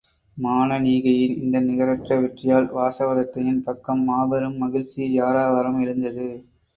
மானனீகையின் இந்த நிகரற்ற வெற்றியால் வாசவதத்தையின் பக்கம் மாபெரும் மகிழ்ச்சி யாரவாரம் எழுந்தது.